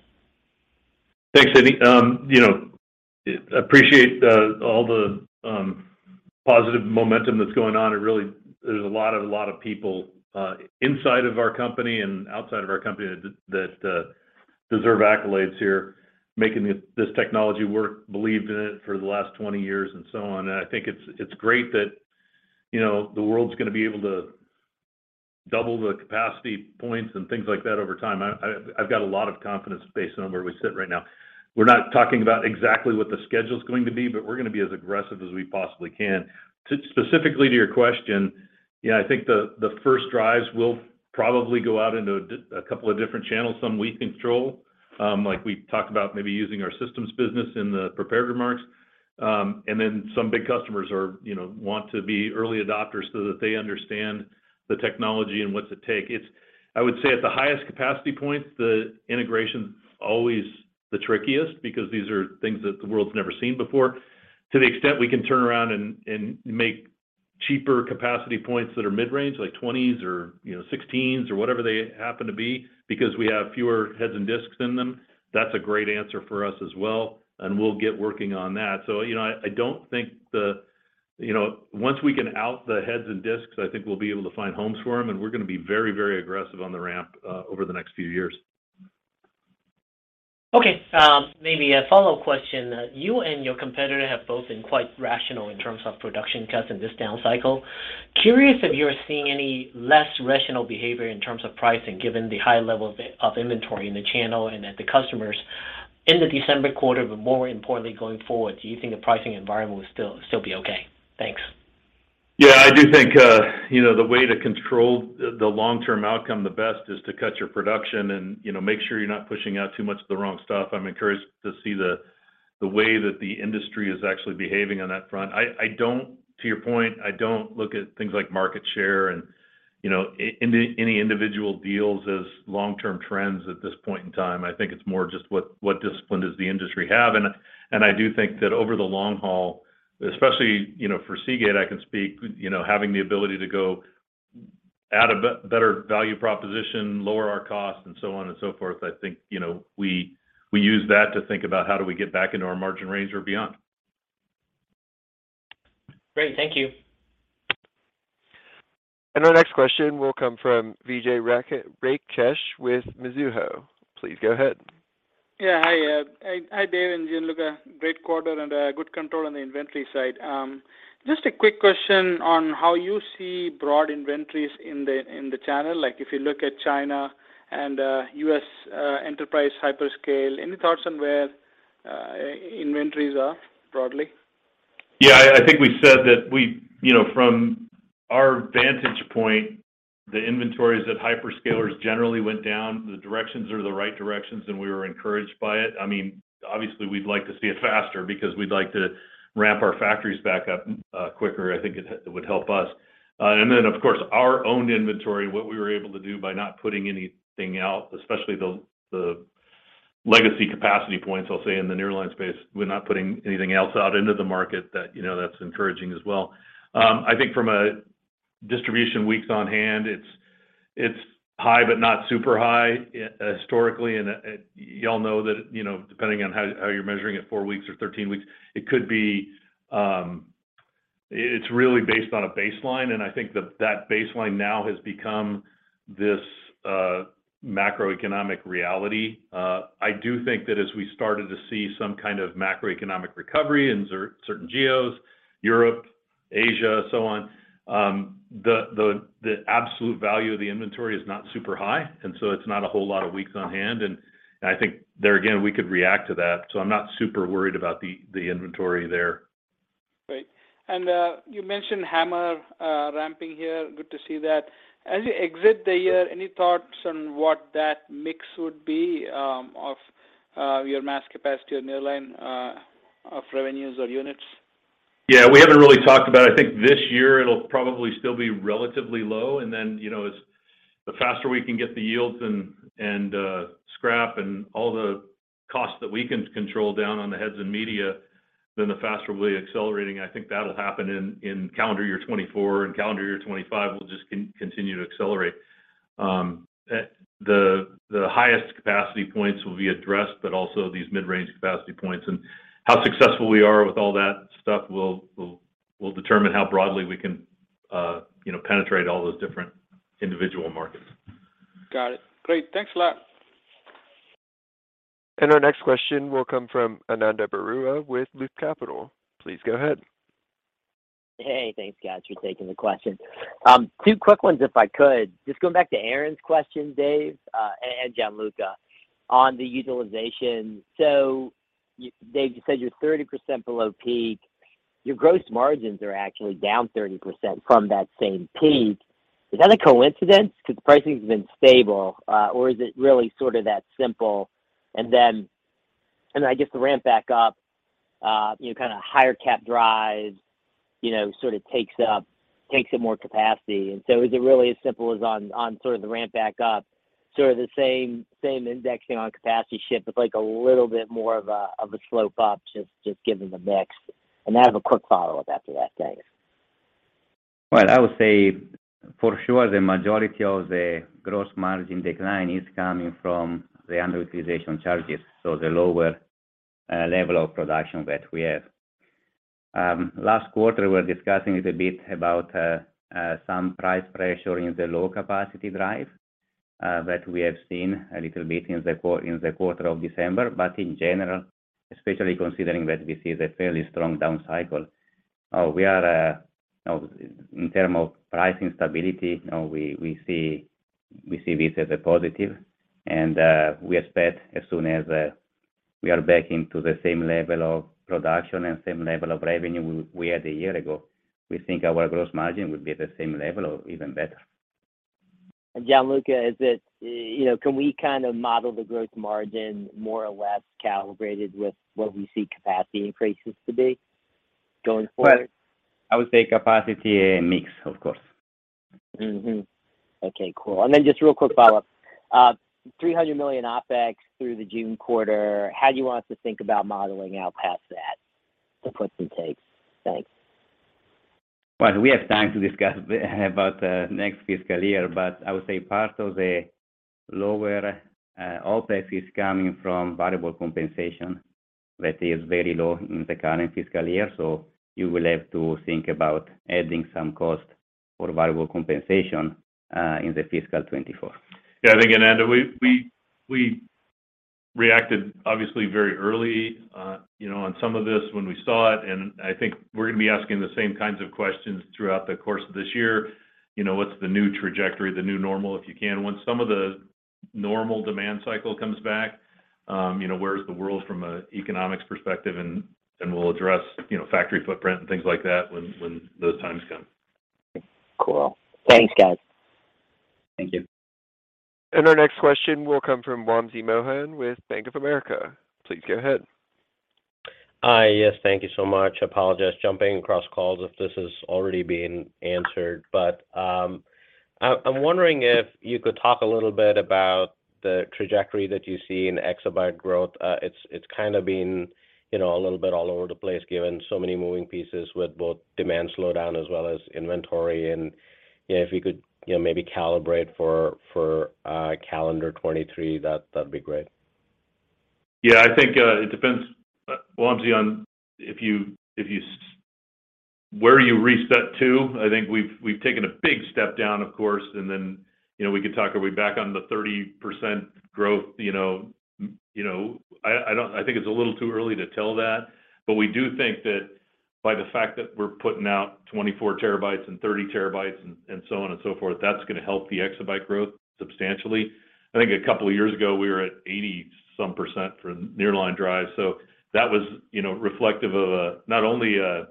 Thanks, Sidney. You know, appreciate the, all the positive momentum that's going on. There's a lot of people inside of our company and outside of our company that deserve accolades here, making this technology work, believed in it for the last 20 years, and so on. I think it's great that, you know, the world's gonna be able to double the capacity points and things like that over time. I've got a lot of confidence based on where we sit right now. We're not talking about exactly what the schedule's going to be, but we're gonna be as aggressive as we possibly can. Specifically to your question, yeah, I think the first drives will probably go out into a couple of different channels, some we control, like we talked about maybe using our systems business in the prepared remarks. Some big customers are, you know, want to be early adopters so that they understand the technology and what's at stake. I would say at the highest capacity points, the integration's always the trickiest because these are things that the world's never seen before. To the extent we can turn around and make cheaper capacity points that are mid-range, like 20s or, you know, 16s or whatever they happen to be because we have fewer heads and disks in them, that's a great answer for us as well, and we'll get working on that. You know, I don't think the... You know, once we get out the heads and disks, I think we'll be able to find homes for them, and we're gonna be very, very aggressive on the ramp, over the next few years. Maybe a follow question. You and your competitor have both been quite rational in terms of production cuts in this down cycle. Curious if you're seeing any less rational behavior in terms of pricing, given the high level of inventory in the channel and at the customers in the December quarter, but more importantly going forward, do you think the pricing environment will still be okay? Thanks. Yeah. I do think, you know, the way to control the long-term outcome the best is to cut your production and, you know, make sure you're not pushing out too much of the wrong stuff. I'm encouraged to see the way that the industry is actually behaving on that front. I don't to your point, I don't look at things like market share and, you know, any individual deals as long-term trends at this point in time. I think it's more just what discipline does the industry have. I do think that over the long haul, especially, you know, for Seagate, I can speak, you know, having the ability to go at a better value proposition, lower our costs, and so on and so forth. I think, you know, we use that to think about how do we get back into our margin range or beyond. Great. Thank you. Our next question will come from Vijay Rakesh with Mizuho. Please go ahead. Yeah. Hi. Hi, Dave and Gianluca. Great quarter and good control on the inventory side. Just a quick question on how you see broad inventories in the channel. Like if you look at China and U.S. enterprise hyperscale, any thoughts on where inventories are broadly? I think we said that you know, from our vantage point, the inventories at hyperscalers generally went down. The directions are the right directions, and we were encouraged by it. I mean, obviously we'd like to see it faster because we'd like to ramp our factories back up quicker. I think it would help us. Of course our own inventory, what we were able to do by not putting anything out, especially the legacy capacity points, I'll say in the nearline space, we're not putting anything else out into the market that, you know, that's encouraging as well. I think from a distribution weeks on hand, it's high but not super high historically. You all know that, you know, depending on how you're measuring it, 4 weeks or 13 weeks, it could be. It's really based on a baseline, and I think that that baseline now has become this macroeconomic reality. I do think that as we started to see some kind of macroeconomic recovery in certain geos, Europe, Asia, so on, the absolute value of the inventory is not super high, and so it's not a whole lot of weeks on hand. I think there again, we could react to that, so I'm not super worried about the inventory there. Great. You mentioned HAMR ramping here. Good to see that. As you exit the year, any thoughts on what that mix would be, of your mass capacity or nearline, of revenues or units? Yeah. We haven't really talked about it. I think this year it'll probably still be relatively low and then, you know, as the faster we can get the yields and scrap and all the costs that we can control down on the heads and media, then the faster we'll be accelerating. I think that'll happen in calendar year 2024 and calendar year 2025, we'll just continue to accelerate. At the highest capacity points will be addressed, but also these mid-range capacity points. How successful we are with all that stuff will determine how broadly we can, you know, penetrate all those different individual markets. Got it. Great. Thanks a lot. Our next question will come from Ananda Baruah with Loop Capital. Please go ahead. Hey. Thanks, guys, for taking the question. Two quick ones if I could. Just going back to Aaron's question, Dave, and Gianluca, on the utilization. Dave, you said you're 30% below peak. Your gross margins are actually down 30% from that same peak. Is that a coincidence because pricing's been stable, or is it really sort of that simple? I guess the ramp back up, you know, kind of higher cap drives, you know, sort of takes in more capacity. Is it really as simple as on sort of the ramp back up? Sort of the same indexing on capacity ship, but like a little bit more of a slope up just given the mix. I have a quick follow-up after that, thanks. Well, I would say for sure the majority of the gross margin decline is coming from the underutilization charges, so the lower level of production that we have. Last quarter, we were discussing it a bit about some price pressure in the low capacity drive that we have seen a little bit in the quarter of December. In general, especially considering that this is a fairly strong down cycle, we are... In term of pricing stability, you know, we see this as a positive. We expect as soon as we are back into the same level of production and same level of revenue we had a year ago, we think our gross margin will be at the same level or even better. Gianluca, is it, you know, can we kind of model the gross margin more or less calibrated with what we see capacity increases to be going forward? Well, I would say capacity and mix, of course. Okay, cool. Just real quick follow-up. $300 million OpEx through the June quarter, how do you want us to think about modeling out past that to put some takes? Thanks. We have time to discuss about next fiscal year. I would say part of the lower OpEx is coming from variable compensation that is very low in the current fiscal year. You will have to think about adding some cost for variable compensation in the fiscal 2024. Yeah, I think, Ananda, we reacted obviously very early, you know, on some of this when we saw it, and I think we're gonna be asking the same kinds of questions throughout the course of this year. You know, what's the new trajectory, the new normal, if you can? When some of the normal demand cycle comes back, you know, where is the world from a economics perspective? We'll address, you know, factory footprint and things like that when those times come. Cool. Thanks, guys. Thank you. Our next question will come from Wamsi Mohan with Bank of America. Please go ahead. Hi. Yes, thank you so much. Apologize jumping across calls if this is already being answered. I'm wondering if you could talk a little bit about the trajectory that you see in exabyte growth. It's, it's kind of been, you know, a little bit all over the place given so many moving pieces with both demand slowdown as well as inventory. You know, if you could, you know, maybe calibrate for, calendar 2023, that'd be great. Yeah. I think, it depends, Wamsi, on if you, where you reset to. I think we've taken a big step down, of course, and then, you know, we could talk, are we back on the 30% growth, you know... You know, I think it's a little too early to tell that. We do think that by the fact that we're putting out 24 TB and 30 TB and so on and so forth, that's gonna help the exabyte growth substantially. I think a couple of years ago, we were at 80 some % for nearline drive. That was, you know, reflective of, not only a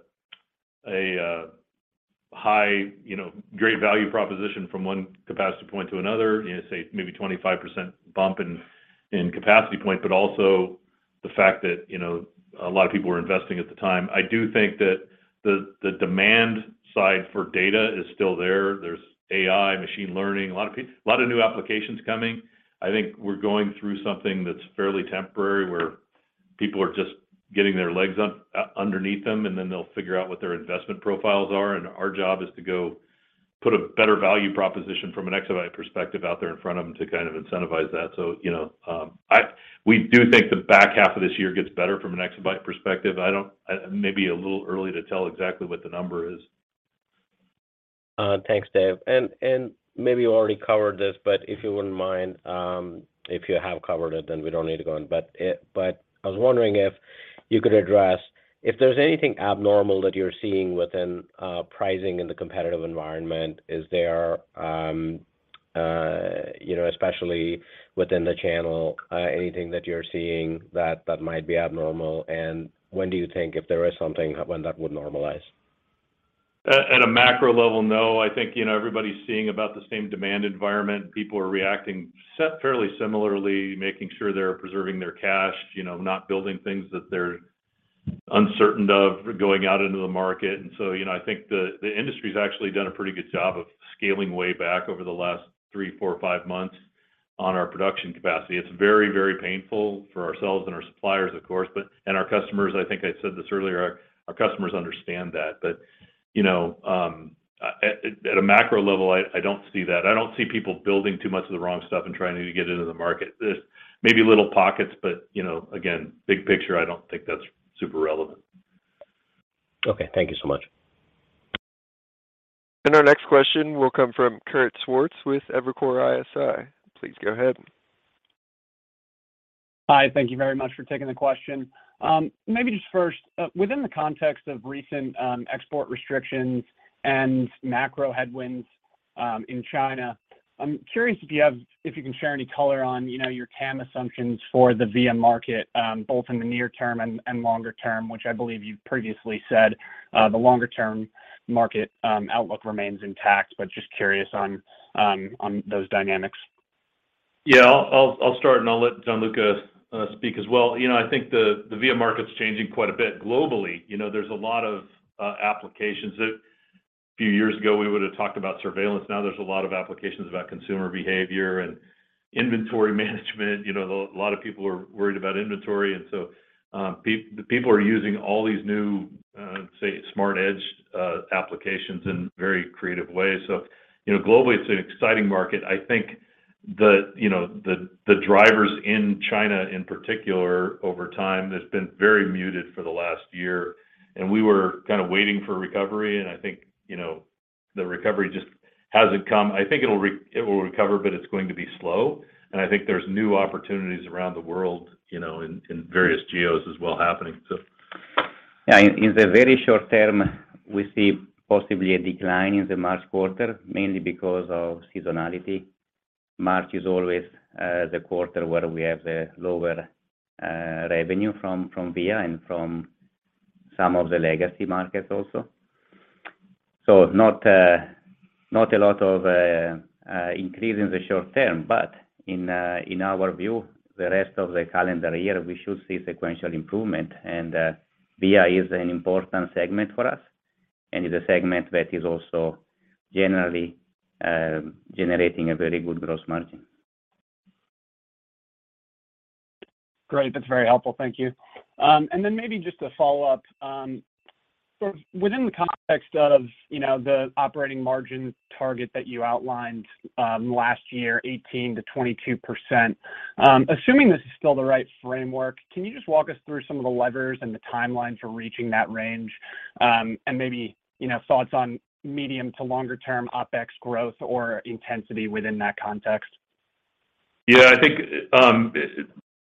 high, you know, great value proposition from one capacity point to another, you know, say maybe 25% bump in capacity point, but also the fact that, you know, a lot of people were investing at the time. I do think that the demand side for data is still there. There's AI, machine learning, a lot of new applications coming. I think we're going through something that's fairly temporary, where people are just getting their legs underneath them, and then they'll figure out what their investment profiles are. Our job is to go put a better value proposition from an exabyte perspective out there in front of them to kind of incentivize that. I... We do think the back half of this year gets better from an exabyte perspective. Maybe a little early to tell exactly what the number is. Thanks, Dave. Maybe you already covered this, but if you wouldn't mind, if you have covered it, then we don't need to go in. I was wondering if you could address if there's anything abnormal that you're seeing within pricing in the competitive environment. Is there, you know, especially within the channel, anything that you're seeing that might be abnormal? When do you think, if there is something, when that would normalize? At a macro level, no. I think, you know, everybody's seeing about the same demand environment. People are reacting fairly similarly, making sure they're preserving their cash, you know, not building things that they're uncertain of going out into the market. You know, I think the industry's actually done a pretty good job of scaling way back over the last three, four, five months on our production capacity. It's very, very painful for ourselves and our suppliers, of course. Our customers, I think I said this earlier, our customers understand that. You know, at a macro level, I don't see that. I don't see people building too much of the wrong stuff and trying to get it into the market. There's maybe little pockets, you know, again, big picture, I don't think that's super relevant. Okay. Thank you so much. Our next question will come from Amit Daryanani with Evercore ISI. Please go ahead. Hi. Thank you very much for taking the question. Maybe just first, within the context of recent, export restrictions and macro headwinds, in China, I'm curious if you can share any color on, you know, your TAM assumptions for the Video Market, both in the near term and longer term, which I believe you've previously said, the longer term market, outlook remains intact. But just curious on those dynamics. Yeah. I'll start. I'll let Gianluca speak as well. You know, I think the VM market's changing quite a bit globally. You know, there's a lot of applications. Few years ago, we would've talked about surveillance. Now there's a lot of applications about consumer behavior and inventory management. You know, a lot of people are worried about inventory. The people are using all these new, say smart edge applications in very creative ways. You know, globally it's an exciting market. I think, you know, the drivers in China in particular over time has been very muted for the last year. We were kinda waiting for recovery, and I think, you know, the recovery just hasn't come. I think it will recover, but it's going to be slow, and I think there's new opportunities around the world, you know, in various geos as well happening, so. In the very short term we see possibly a decline in the March quarter, mainly because of seasonality. March is always the quarter where we have the lower revenue from VIA and from some of the legacy markets also. Not a lot of increase in the short term, but in our view, the rest of the calendar year we should see sequential improvement. VIA is an important segment for us and is a segment that is also generally generating a very good gross margin. Great. That's very helpful. Thank you. Then maybe just a follow-up. Sort of within the context of, you know, the operating margin target that you outlined, last year, 18%-22%, assuming this is still the right framework, can you just walk us through some of the levers and the timelines for reaching that range, maybe, you know, thoughts on medium to longer term OpEx growth or intensity within that context? Yeah, I think,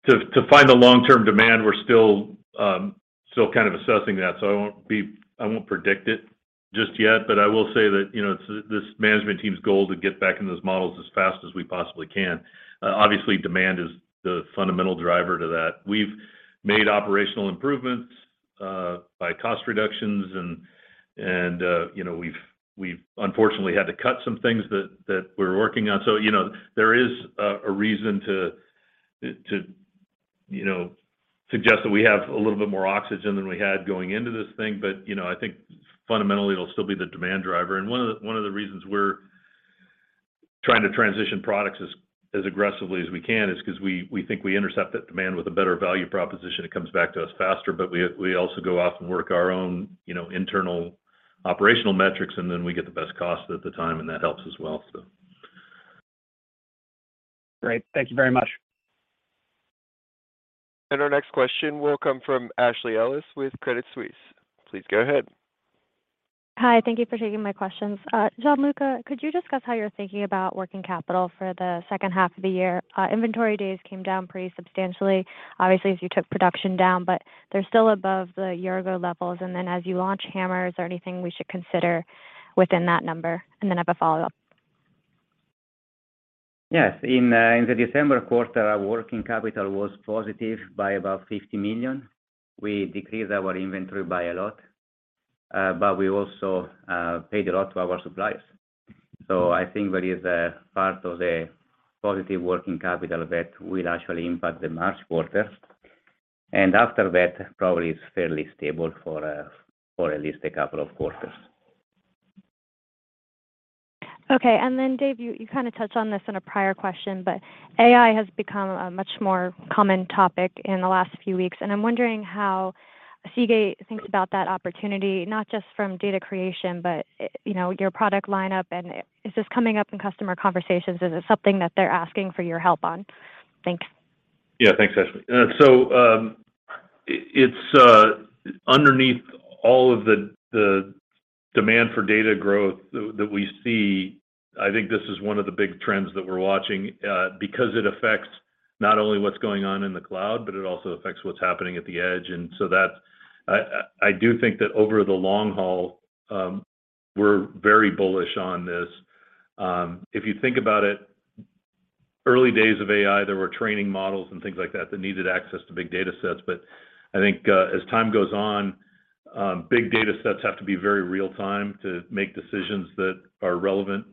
to find the long-term demand, we're still kind of assessing that, so I won't predict it just yet, but I will say that, you know, it's this management team's goal to get back into those models as fast as we possibly can. Obviously demand is the fundamental driver to that. We've made operational improvements, by cost reductions and, you know, we've unfortunately had to cut some things that we're working on. You know, there is a reason to, you know, suggest that we have a little bit more oxygen than we had going into this thing. You know, I think fundamentally it'll still be the demand driver. One of the reasons we're trying to transition products as aggressively as we can is cause we think we intercept that demand with a better value proposition. It comes back to us faster. We also go off and work our own, you know, internal operational metrics. Then we get the best cost at the time, that helps as well. Great. Thank you very much. Our next question will come from Shannon Cross with Credit Suisse. Please go ahead. Hi. Thank you for taking my questions. Gianluca, could you discuss how you're thinking about working capital for the second half of the year? Inventory days came down pretty substantially, obviously, as you took production down, but they're still above the year ago levels. As you launch HAMR, is there anything we should consider within that number? I have a follow-up. Yes. In the December quarter, our working capital was positive by about $50 million. We decreased our inventory by a lot, but we also paid a lot to our suppliers. I think there is a part of the positive working capital that will actually impact the March quarter. After that, probably it's fairly stable for at least a couple of quarters. Okay. Dave, you kind of touched on this in a prior question, but AI has become a much more common topic in the last few weeks, and I'm wondering how Seagate thinks about that opportunity, not just from data creation, but, you know, your product lineup and is this coming up in customer conversations? Is it something that they're asking for your help on? Thanks. Yeah. Thanks, Shannon Cross. It, it's underneath all of the demand for data growth that we see, I think this is one of the big trends that we're watching, because it affects not only what's going on in the cloud, but it also affects what's happening at the edge. I do think that over the long haul, we're very bullish on this. If you think about it, early days of AI, there were training models and things like that that needed access to big data sets. I think, as time goes on, big data sets have to be very real time to make decisions that are relevant,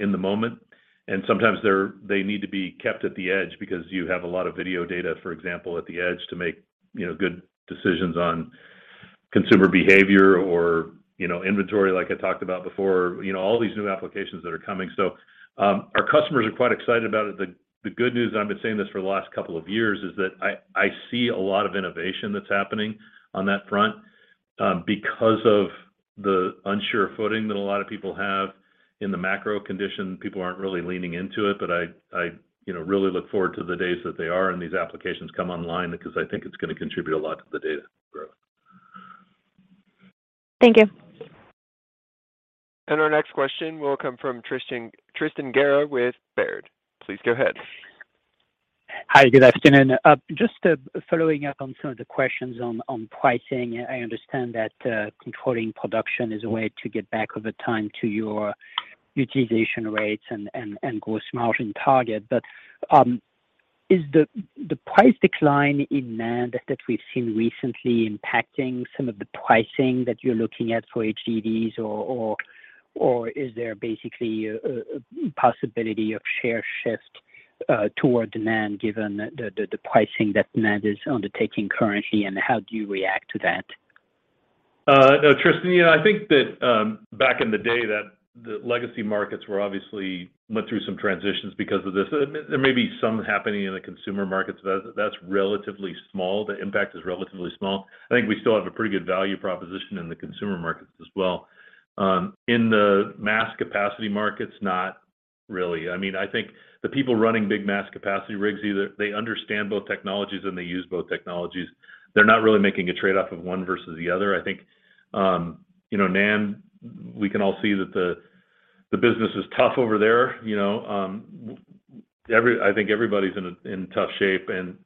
in the moment. Sometimes they need to be kept at the edge because you have a lot of video data, for example, at the edge to make, you know, good decisions on consumer behavior or, you know, inventory, like I talked about before, you know, all these new applications that are coming. Our customers are quite excited about it. The good news, and I've been saying this for the last couple of years, is that I see a lot of innovation that's happening on that front because of the unsure footing that a lot of people have in the macro condition. People aren't really leaning into it. I, you know, really look forward to the days that they are and these applications come online because I think it's gonna contribute a lot to the data growth. Thank you. Our next question will come from Tristan Gerra with Baird. Please go ahead. Hi, good afternoon. Just following up on some of the questions on pricing. I understand that controlling production is a way to get back over time to your utilization rates and gross margin target. Is the price decline in NAND that we've seen recently impacting some of the pricing that you're looking at for HDDs or is there basically a possibility of share shift toward NAND given the pricing that NAND is undertaking currently, and how do you react to that? No, Tristan, you know, I think that back in the day that the legacy markets were obviously went through some transitions because of this. There may be some happening in the consumer markets, but that's relatively small. The impact is relatively small. I think we still have a pretty good value proposition in the consumer markets as well. In the mass capacity markets, not really. I mean, I think the people running big mass capacity rigs either they understand both technologies and they use both technologies. They're not really making a trade-off of one versus the other. I think, you know, NAND, we can all see that the business is tough over there. You know, I think everybody's in a tough shape and,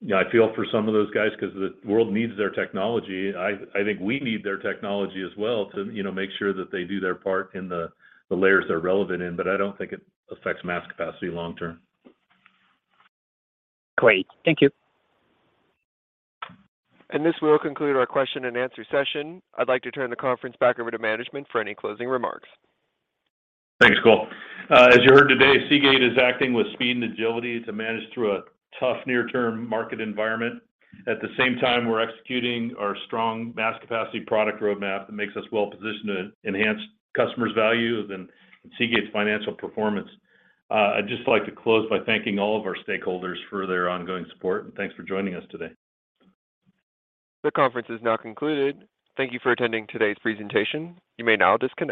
you know, I feel for some of those guys 'cause the world needs their technology. I think we need their technology as well to, you know, make sure that they do their part in the layers they're relevant in, but I don't think it affects mass capacity long term. Great. Thank you. This will conclude our question and answer session. I'd like to turn the conference back over to management for any closing remarks. Thanks, Cole. As you heard today, Seagate is acting with speed and agility to manage through a tough near-term market environment. At the same time, we're executing our strong mass capacity product roadmap that makes us well positioned to enhance customers' value of and Seagate's financial performance. I'd just like to close by thanking all of our stakeholders for their ongoing support. Thanks for joining us today. The conference is now concluded. Thank you for attending today's presentation. You may now disconnect.